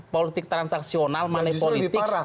kalau politik transaksional mana politik yang parah